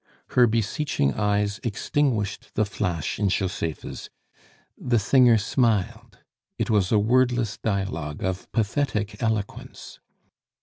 Her beseeching eyes extinguished the flash in Josepha's; the singer smiled. It was a wordless dialogue of pathetic eloquence.